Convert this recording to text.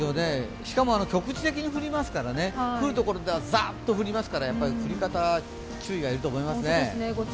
しかも局地的に降りますから、降る所はザッと降りますから、降り方、注意がいると思いますね。